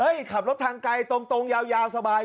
ขับรถทางไกลตรงยาวสบาย